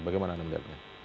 bagaimana anda melihatnya